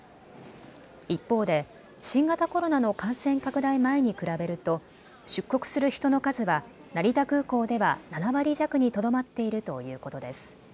一方で、新型コロナの感染拡大前に比べると出国する人の数は成田空港では７割弱にとどまっているということです。